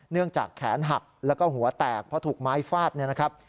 เนื่องจากแขนหักแล้วก็หัวแตกเพราะถูกไม้ฟาดเนี่ยนะครับ